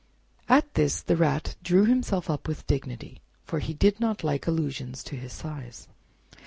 At this the Rat drew himself up with dignity, for he did not like allusions to his size.